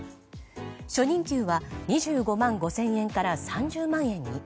初任給は２５万５０００円から３０万円に。